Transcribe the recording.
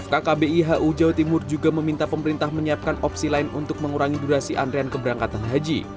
fkkbihu jawa timur juga meminta pemerintah menyiapkan opsi lain untuk mengurangi durasi antrian keberangkatan haji